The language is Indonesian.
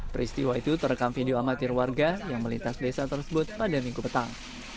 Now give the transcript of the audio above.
peristiwa itu terekam video amatir warga yang melintas desa tersebut pada minggu petang